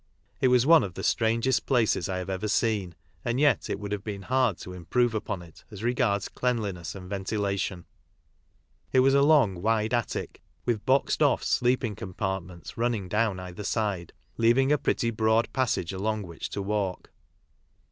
7 as one of the strangest places I have ever seen, and yet it would have been hard to improve upon it as regards cleanliness and ventilaliui. It was a long, wide attic, with boxed off sleeping compart ments running down either side, leaving a pretty broad passage along which to walk.